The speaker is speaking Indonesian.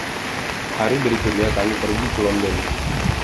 Hari berikutnya kami pergi ke London.